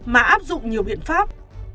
mà áp dụng nhiều biện pháp